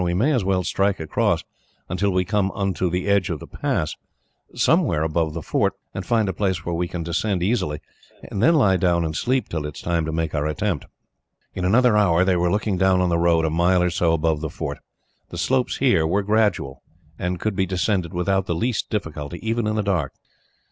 "We may as well strike across, until we come onto the edge of the pass, somewhere above the fort; find a place where we can descend easily, and then lie down and sleep, till it is time to make our attempt." In another hour, they were looking down on the road, a mile or so above the fort. The slopes here were gradual, and could be descended without the least difficulty, even in the dark.